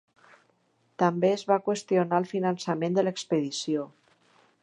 També es va qüestionar el finançament de l’expedició.